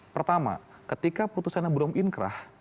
pertama ketika putusan yang belum inkrah